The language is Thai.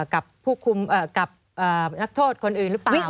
กับผู้คุมกับนักโทษคนอื่นหรือเปล่า